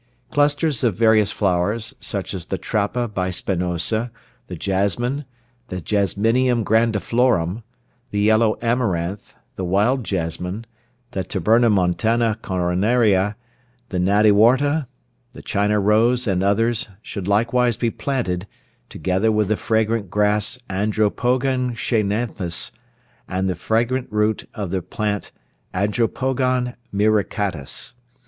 Clusters of various flowers, such as the trapa bispinosa, the jasmine, the gasminum grandiflorum, the yellow amaranth, the wild jasmine, the tabernamontana coronaria, the nadyaworta, the china rose and others, should likewise be planted, together with the fragrant grass andropogon schænanthus, and the fragrant root of the plant andropogon miricatus.